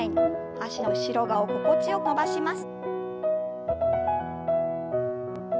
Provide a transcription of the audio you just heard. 脚の後ろ側を心地よく伸ばします。